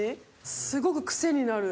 すごくクセになる。